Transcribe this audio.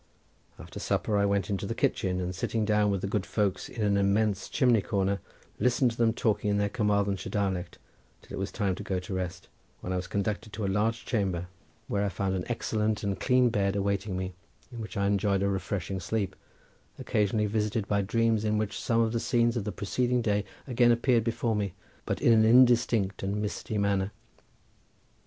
After supper I went into the kitchen, and sitting down with the good folks in an immense chimney corner, listened to them talking in their Carmarthenshire dialect till it was time to go to rest, when I was conducted to a large chamber where I found an excellent and clean bed awaiting me, in which I enjoyed a refreshing sleep occasionally visited by dreams in which some of the scenes of the preceding day again appeared before me, but in an indistinct and misty manner.